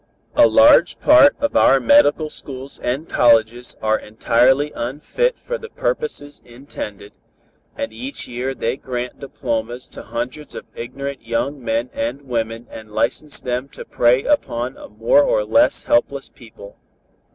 A large part of our medical schools and colleges are entirely unfit for the purposes intended, and each year they grant diplomas to hundreds of ignorant young men and women and license them to prey upon a more or less helpless people.